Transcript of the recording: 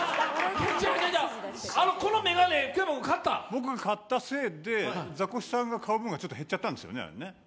僕買ったせいで、ザコシさんが買う分が減っちゃったんですよね。